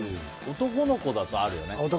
男の子だとあるよね。